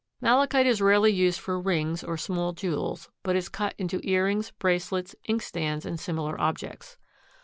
Malachite is rarely used for rings or small jewels but is cut into earrings, bracelets, inkstands and similar objects.